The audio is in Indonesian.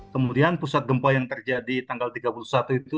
kemudian pusat gempa yang terjadi tanggal tiga puluh satu itu